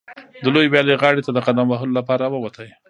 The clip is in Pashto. د لویې ویالې غاړې ته د قدم وهلو لپاره راووت.